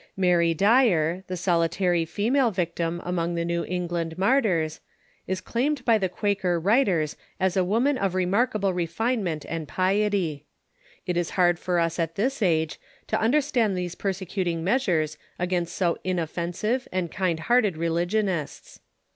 Mary Dyer, the soli tary female victim among the New England martyrs, is claimed by Quaker writers as a woman of remarkable refine ment and piety. It is hard for us at this age to understand these persecuting measures against so inoffensive and kind hearted religionists.